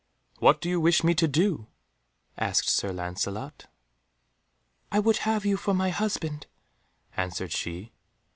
"What do you wish me to do?" asked Sir Lancelot. "I would have you for my husband," answered she.